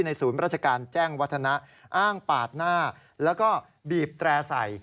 ศูนย์ราชการแจ้งวัฒนะอ้างปาดหน้าแล้วก็บีบแตร่ใส่